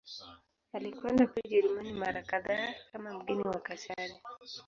Alikwenda pia Ujerumani mara kadhaa kama mgeni wa Kaisari.